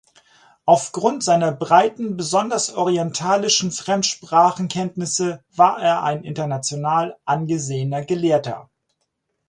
Auf Grund seiner breiten, besonders orientalischen Fremdsprachenkenntnisse war er ein international angesehener Gelehrter.